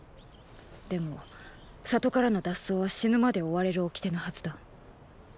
でも里からの脱走は死ぬまで追われる掟のはずだ。